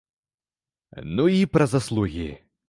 Ну і пра заслугі.